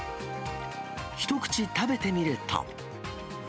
一口食べてみると。